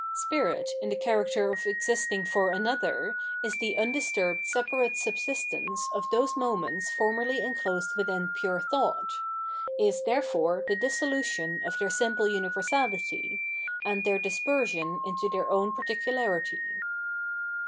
Spirit, in the character of existing for another, is the undisturbed separate subsistence of those moments formerly enclosed within pure thought, is, therefore, the dissolution of their simple universahty, and their dispersion into their own particularity.